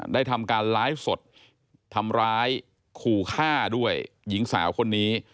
ได้ทำการไลฟ์สดทำร้ายขู่ฆ่าด้วยหญิงสาวคนนี้